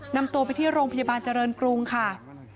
นำตัวไปที่โรงพยาบาลเจริญกรุงค่ะ